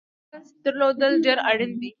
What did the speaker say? لایسنس درلودل ډېر اړین دي